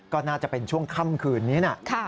ก็น่าจะเป็นช่วงค่ำคืนนี้นะ